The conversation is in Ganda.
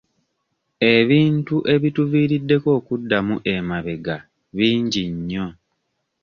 Ebintu ebituviiriddeko okuddamu emabega bingi nnyo.